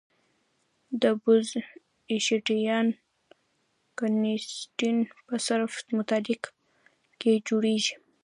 د بوز-اینشټاین کنډنسیټ په صفر مطلق کې جوړېږي.